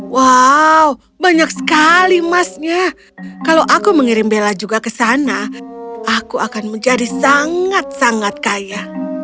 wow banyak sekali emasnya kalau aku mengirim bella juga ke sana aku akan menjadi sangat sangat kaya